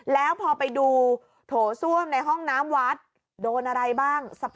แล้วพอไปดูโถส้วมในห้องน้ำวัดโดนอะไรบ้าง